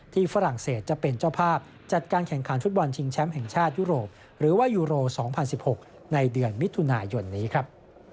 ฝรั่งเศสจะเป็นเจ้าภาพจัดการแข่งขันฟุตบอลชิงแชมป์แห่งชาติยุโรปหรือว่ายูโร๒๐๑๖ในเดือนมิถุนายนนี้ครับ